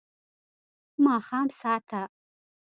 ماښام ساه ته